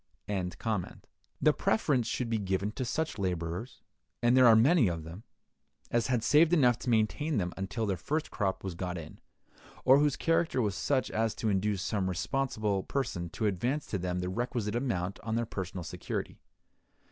(174) The preference should be given to such laborers, and there are many of them, as had saved enough to maintain them until their first crop was got in, or whose character was such as to induce some responsible person to advance to them the requisite amount on their personal security.